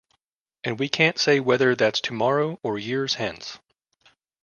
And we can't say whether that's tomorrow or years hence.